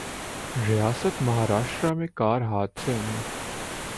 ریاست مہاراشٹرا میں کار حادثے میں